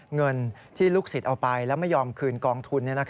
เงินที่ลูกศิษย์เอาไปและไม่ยอมคืนกองทุน